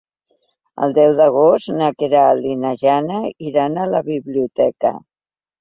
El deu d'agost na Queralt i na Jana iran a la biblioteca.